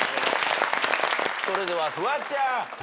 それではフワちゃん。